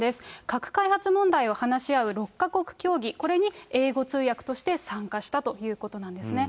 核開発問題を話し合う６か国協議、これに英語通訳として参加したということなんですね。